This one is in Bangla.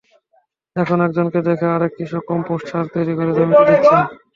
এখন একজনকে দেখে আরেক কৃষক কম্পোস্ট সার তৈরি করে জমিতে দিচ্ছেন।